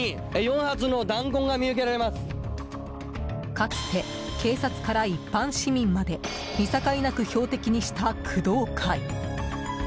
かつて、警察から一般市民まで見境なく標的にした工藤会。